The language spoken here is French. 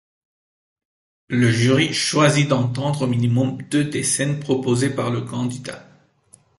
Le jury choisit d’entendre au minimum deux des scènes proposées par le candidat.